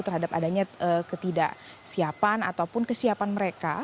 terhadap adanya ketidaksiapan ataupun kesiapan mereka